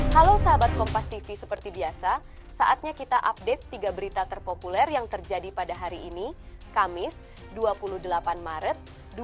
halo sahabat kompas tv seperti biasa saatnya kita update tiga berita terpopuler yang terjadi pada hari ini kamis dua puluh delapan maret dua ribu dua puluh